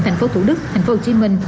thành phố thủ đức thành phố hồ chí minh